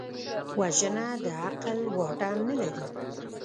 وژنه د عقل واټن نه لري